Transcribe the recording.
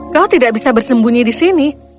kau tidak bisa bersembunyi di sini